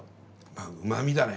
あっうま味だね。